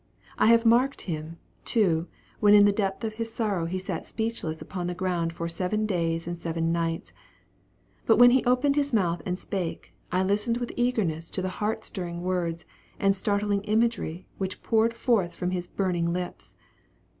I have marked him; too, when in the depth of his sorrow he sat speechless upon the ground for seven days and seven nights; but when he opened his mouth and spake, I listened with eagerness to the heart stirring words and startling imagery which poured forth from his burning lips!